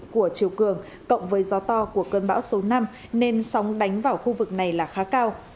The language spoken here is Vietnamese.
của chiều cường cộng với gió to của cơn bão số năm nên sóng đánh vào khu vực này là khá cao